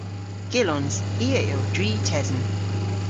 Gyllons. I a yll dri tesen.